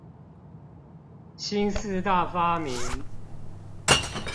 新四大發明